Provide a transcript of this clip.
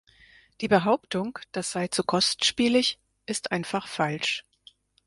Die Behauptung, das sei zu kostspielig, ist einfach falsch.